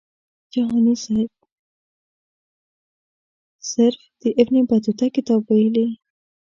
جهاني سیب صرف د ابن بطوطه کتاب ویلی.